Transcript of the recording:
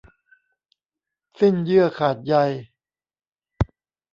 สิ้นเยื่อขาดใย